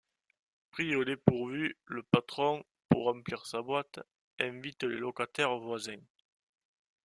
Pris au dépourvu, le patron, pour remplir sa boîte, invite les locataires voisins.